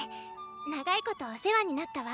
長いことお世話になったわ。